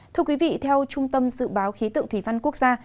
thưa quý vị theo trung tâm dự báo khí tượng thủy văn quốc gia